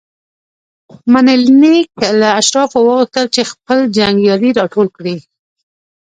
منیلیک له اشرافو وغوښتل چې خپل جنګیالي راټول کړي.